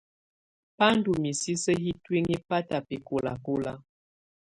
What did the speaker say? Bá ndù misisi yɛ tuinyii bata bɛkɔlakɔla.